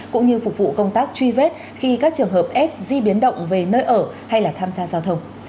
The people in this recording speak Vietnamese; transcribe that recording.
cũng như phục vụ công tác truy vết khi các trường hợp f di biến động về nơi ở hay là tham gia giao thông